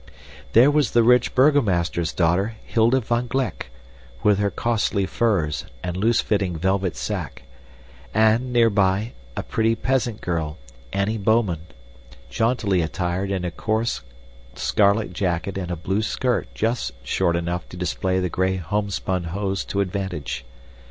There was the rich burgomaster's daughter Hilda van Gleck, with her costly furs and loose fitting velvet sack; and, nearby, a pretty peasant girl, Annie Bouman, jauntily attired in a coarse scarlet jacket and a blue skirt just short enough to display the gray homespun hose to advantage.